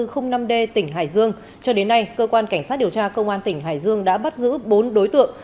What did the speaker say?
hải dương đã bắt giữ bốn đối tượng